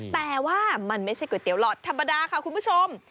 แต่ว่ามันไม่ใช่ก๋วยเตี๋หลอดธรรมดาค่ะคุณผู้ชม